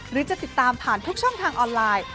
หรือจะติดตามผ่านทุกช่องทางออนไลน์